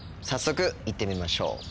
早速行ってみましょう。